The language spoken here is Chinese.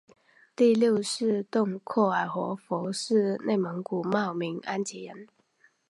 第六世洞阔尔活佛是内蒙古茂明安旗人。